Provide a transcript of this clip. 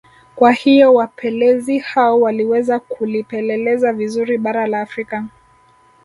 Kwa hiyo wapelezi hao waliweza kulipeleleza vizuri bara la Afrika